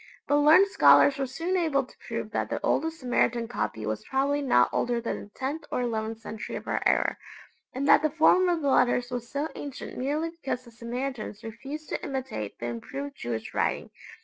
But learned scholars were soon able to prove that the oldest Samaritan copy was probably not older than the tenth or eleventh century of our era, and that the form of the letters was so ancient merely because the Samaritans refused to imitate the improved Jewish writing.